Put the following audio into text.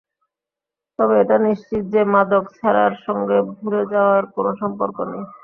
তবে এটা নিশ্চিত যে মাদক ছাড়ার সঙ্গে ভুলে যাওয়ার কোনো সম্পর্ক নেই।